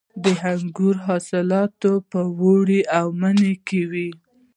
د انګورو حاصلات په اوړي او مني کې وي.